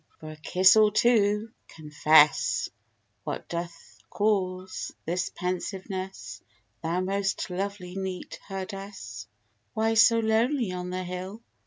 For a kiss or two, confess, What doth cause this pensiveness, Thou most lovely neat herdess? Why so lonely on the hill?